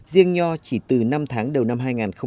riêng nho chỉ từ năm tháng đầu năm hai nghìn một mươi sáu